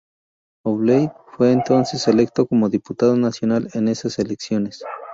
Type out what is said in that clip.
Obeid fue entonces electo como diputado nacional en esas elecciones.